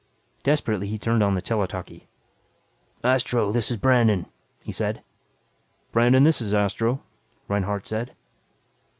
Desperately he turned on the tele talkie. "Astro, this is Brandon," he said. "Brandon, this is Astro," Reinhardt said.